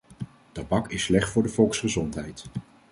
Tabak is slecht voor de volksgezondheid.